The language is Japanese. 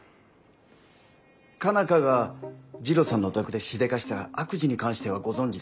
佳奈花が次郎さんのお宅でしでかした悪事に関してはご存じですよね？